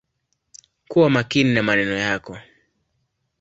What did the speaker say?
Kuwa makini na maneno yako.